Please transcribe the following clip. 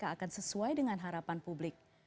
akan sesuai dengan harapan publik